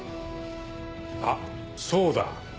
あっそうだ。